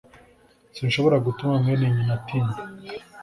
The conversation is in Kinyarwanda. Sinshobora gutuma mwene nyina atinda